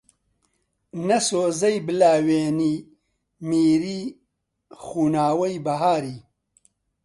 نە سۆزەی بلاوێنی میری، خوناوەی بەهاری